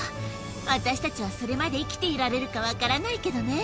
私たちはそれまで生きていられるか分からないけどね。